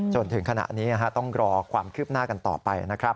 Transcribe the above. จนถึงขณะนี้ต้องรอความคืบหน้ากันต่อไปนะครับ